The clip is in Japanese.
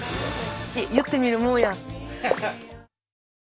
言ってみるもんや。